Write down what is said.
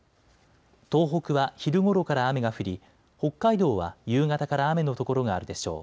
東北は昼ごろから雨が降り北海道は夕方から雨の所があるでしょう。